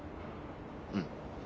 うん。